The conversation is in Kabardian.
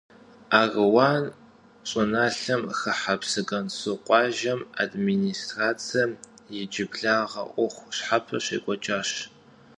Аруан щӀыналъэм хыхьэ Псыгуэнсу къуажэ администрацэм иджыблагъэ Ӏуэху щхьэпэ щекӀуэкӀащ.